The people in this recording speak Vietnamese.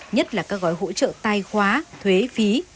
nhất là các gói hỗ trợ tài khoá thuế phí